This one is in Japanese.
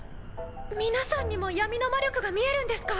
皆さんにも闇の魔力が見えるんですか？